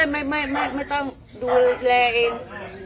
ไม่ต้องดูแลเอง